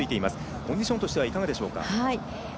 コンディションとしてはいかがでしょうか。